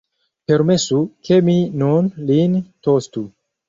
Permesu, ke mi nun lin tostu!